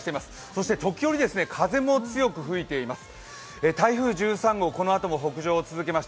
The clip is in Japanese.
そして時折、風も強く吹いています。